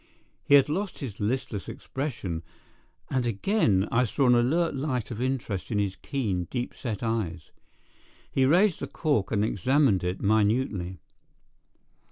He had lost his listless expression, and again I saw an alert light of interest in his keen, deep set eyes. He raised the cork and examined it minutely.